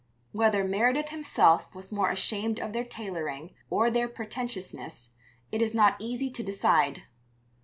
Whether Meredith himself was more ashamed of their tailoring or their pretentiousness it is not easy to decide.